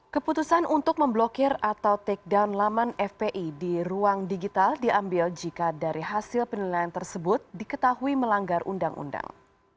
keputusan untuk memblokir atau take down laman fpi di ruang digital diambil jika dari hasil penilaian tersebut diketahui melanggar undang undang